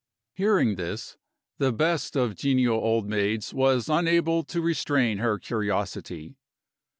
Hearing this, the best of genial old maids was unable to restrain her curiosity.